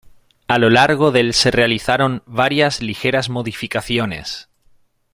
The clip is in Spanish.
A lo largo del se realizaron varias ligeras modificaciones.